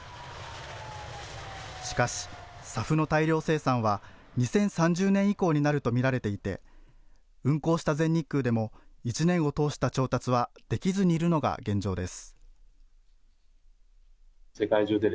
しかし、ＳＡＦの大量生産は２０３０年以降になると見られていて運航した全日空でも１年を通した調達はできずにいるのが現状です。